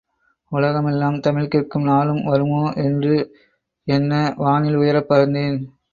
உலகமெல்லாம் தமிழ் கேட்கும் நாளும் வருமோ என்று எண்ண வானில் உயரப் பறந்தேன்.